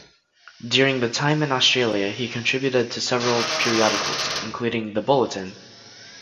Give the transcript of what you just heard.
During the time in Australia he contributed to several periodicals, including "The Bulletin".